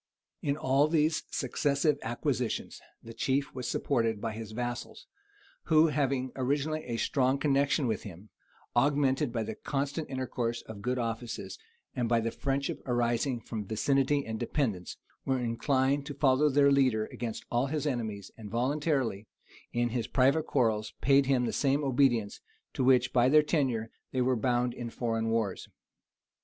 [* Lib. Feud. lib. i. tit. i.] In all these successive acquisitions, the chief was supported by his vassals; who, having originally a strong connection with him, augmented by the constant intercourse of good offices, and by the friendship arising from vicinity and dependence, were inclined to follow their leader against all his enemies, and voluntarily, in his private quarrels, paid him the same obedience to which, by their tenure, they were bound in foreign wars.